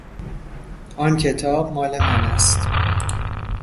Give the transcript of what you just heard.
آن کتاب مال من است.